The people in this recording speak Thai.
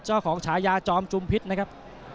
เจ้าของชายาจอมจุมพิษนะครับ